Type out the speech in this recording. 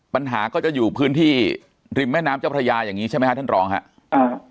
ปัญหาก็จะอยู่พื้นที่ริมแม่น้ำเจ้าพระยาอย่างนี้ใช่ไหมครับท่านรองครับ